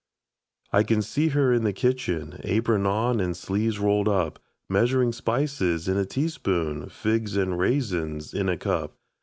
I can see her in the kitchen, Apron on and sleeves rolled up, Measurin' spices in a teaspoon, Figs and raisins in a cup.